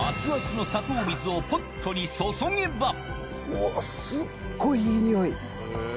うわすっごいいい匂い。